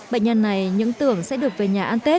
bệnh nhân này những tưởng sẽ được về nhà ăn tết